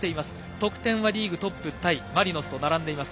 得点はリーグトップタイ、マリノスと並んでいます。